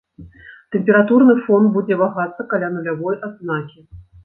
Тэмпературны фон будзе вагацца каля нулявой адзнакі.